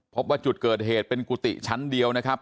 พบว่าจุดเกิดเหตุเป็นกุฏิชั้นเดียวนะครับ